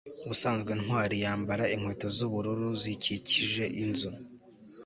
ubusanzwe ntwali yambara inkweto z'ubururu zikikije inzu